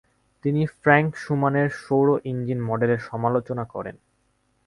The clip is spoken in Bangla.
তিনি ফ্র্যাঙ্ক শুমানের সৌর ইঞ্জিন মডেলের সমালোচনা করেন।